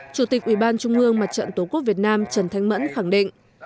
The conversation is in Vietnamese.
chủ tịch ubnd mặt trận tổ quốc việt nam trần thanh mẫn khẳng định